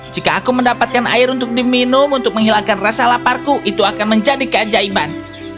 jika aku mendapatkan air untuk diminum untuk menghilangkan rasa laparku itu akan menjadi keajaiban